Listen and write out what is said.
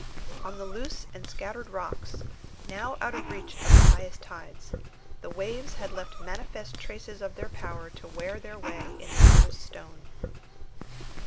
On the loose and scattered rocks, now out of the reach of the highest tides, the waves had left manifest traces of their power to wear their way in the hardest stone.